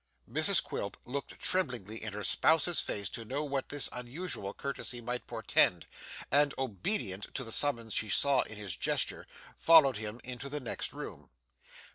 Mrs Quilp looked tremblingly in her spouse's face to know what this unusual courtesy might portend, and obedient to the summons she saw in his gesture, followed him into the next room.